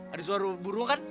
ada suara burung kan